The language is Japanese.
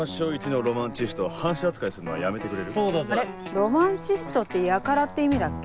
ロマンチストって「やから」って意味だっけ？